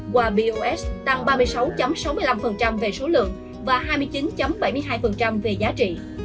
qua bos tăng ba mươi sáu sáu mươi năm về số lượng và hai mươi chín bảy mươi hai về giá trị